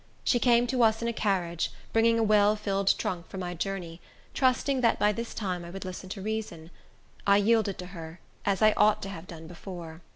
She came to us in a carriage, bringing a well filled trunk for my journey—trusting that by this time I would listen to reason. I yielded to her, as I ought to have done before.